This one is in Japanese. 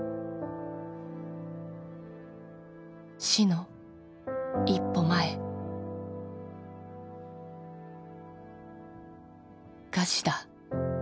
「死の一歩前」「餓死だ」